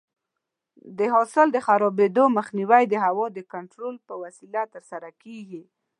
د حاصل د خرابېدو مخنیوی د هوا د کنټرول په وسیله ترسره کېږي.